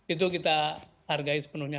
itu kita hargai sepenuhnya